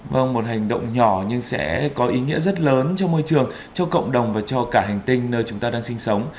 vâng một hành động nhỏ nhưng sẽ có ý nghĩa rất lớn cho môi trường cho cộng đồng và cho cả hành tinh nơi chúng ta đang sinh sống